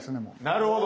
なるほど。